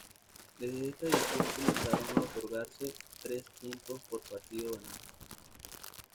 Desde esta edición, comenzaron a otorgarse tres puntos por partido ganado.